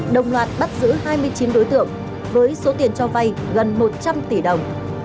đồng loạt bắt giữ hai mươi chín đối tượng với số tiền cho vay gần một trăm linh tỷ đồng